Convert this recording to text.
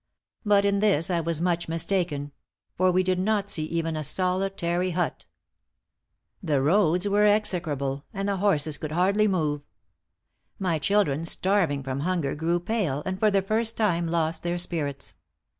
But in this I was much mistaken; for we did not see even a solitary hut. The roads were execrable, and the horses could hardly move. My children, starving from hunger, grew pale, and for the first time lost their spirits.